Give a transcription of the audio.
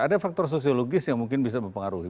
ada faktor sosiologis yang mungkin bisa mempengaruhi